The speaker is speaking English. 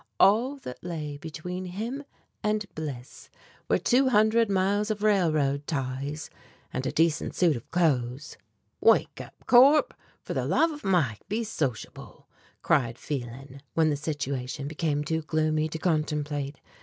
All that lay between him and bliss were two hundred miles of railroad ties and a decent suit of clothes! "Wake up, Corp; for the love of Mike be sociable!" cried Phelan when the situation became too gloomy to contemplate.